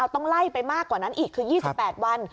ต้องไล่ไปมากกว่านั้นอีกคือ๒๘วัน